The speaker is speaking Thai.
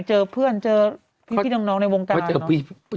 เจอเพื่อนเจอพี่น้องในวงตา